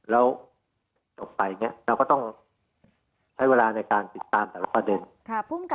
แล้วต่อไปเนี้ยเราก็ต้องให้เวลาในการติดตามแต่ละประเด็นค่ะ